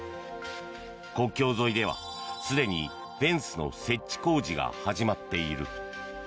国境沿いではすでにフェンスの設置工事が始まっている。